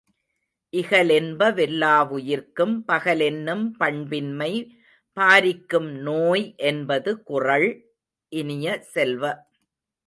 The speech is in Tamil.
இகலென்ப வெல்லாவுயிர்க்கும் பகலென்னும் பண்பின்மை பாரிக்கும் நோய் என்பது குறள், இனிய செல்வ!